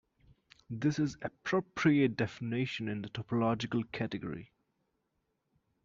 This is the appropriate definition in the topological category.